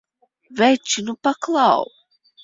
Veči, nu paklau!